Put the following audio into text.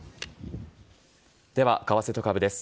では、為替と株です。